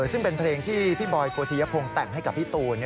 ซึ่งเป็นเพลงที่พี่บอยโกศิยพงศ์แต่งให้กับพี่ตูน